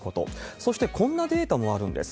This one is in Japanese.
そしてこんなデータもあるんです。